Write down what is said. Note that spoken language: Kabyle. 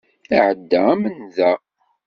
Iɛedda am nnda.